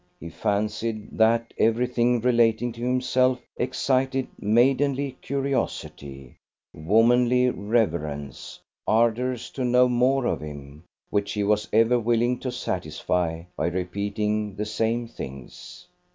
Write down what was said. He fancied that everything relating to himself excited maidenly curiosity, womanly reverence, ardours to know more of him, which he was ever willing to satisfy by repeating the same things.